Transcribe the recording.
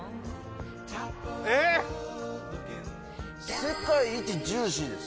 世界一ジューシーです。